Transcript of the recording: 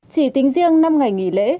chỉ tính riêng năm ngày nghỉ lễ